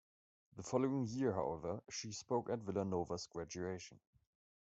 The following year, however, she spoke at Villanova's graduation.